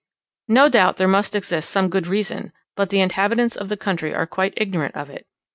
No doubt there must exist some good reason; but the inhabitants of the country are quite ignorant of it.